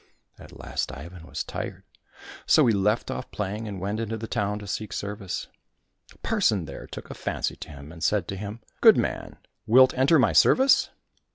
At last Ivan was tired, so he left off playing and went into the town to seek service. The parson there took a fancy to him, and said to him, " Good man ! wilt enter my service